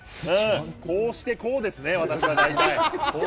こうしてこうですね、私の場合。